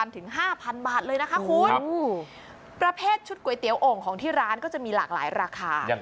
เลยนะคะคุณประเภทชุดก๋วยเตี๋ยวโอ่งของที่ร้านก็จะมีหลากหลายราคา